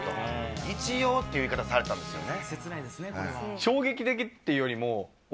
「一応」という言い方をされたんですよね。